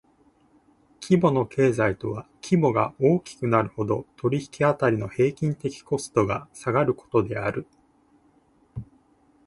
規模の経済とは規模が大きくなるほど、取引辺りの平均的コストが下がることである。